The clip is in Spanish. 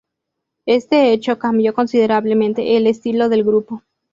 Este hecho cambió considerablemente el estilo del grupo.